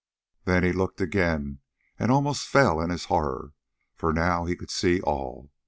Then he looked again and almost fell in his horror, for now he could see all.